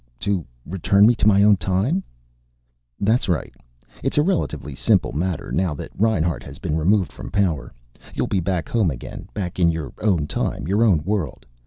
"To return me to my own time?" "That's right. It's a relatively simple matter, now that Reinhart has been removed from power. You'll be back home again, back in your own time, your own world.